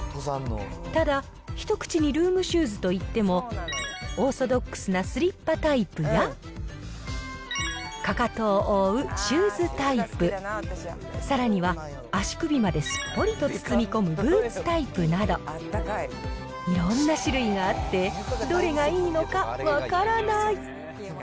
ただ、一口にルームシューズといっても、オーソドックスなスリッパタイプや、かかとを覆うシューズタイプ、さらには、足首まですっぽりと包み込むブーツタイプなど、いろんな種類があって、どれがいいのか分からない。